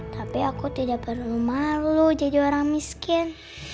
tapi aku tidak perlu malu jadi orang miskin